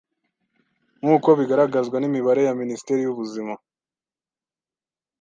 nk’uko bigaragazwa n’imibare ya Minisiteri y’Ubuzima.